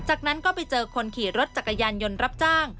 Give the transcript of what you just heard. จากนั้นก็ไปเจอคนขี่รถจักรยานยนต์รับจ้าง